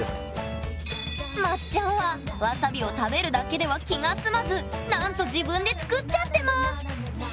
まっちゃんはわさびを食べるだけでは気が済まずなんと自分で作っちゃってます！